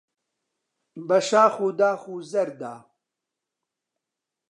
بە شاخ و داخ و زەردا